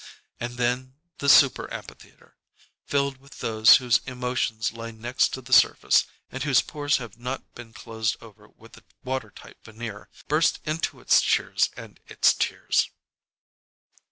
And then the super amphitheater, filled with those whose emotions lie next to the surface and whose pores have not been closed over with a water tight veneer, burst into its cheers and its tears.